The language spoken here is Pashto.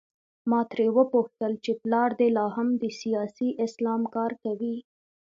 ما ترې وپوښتل چې پلار دې لا هم د سیاسي اسلام کار کوي؟